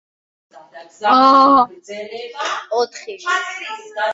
With increasing headwinds, concern grew that the flight would have to be called off.